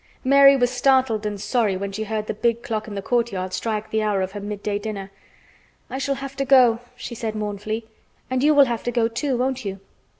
Mary was startled and sorry when she heard the big clock in the courtyard strike the hour of her midday dinner. "I shall have to go," she said mournfully. "And you will have to go too, won't you?"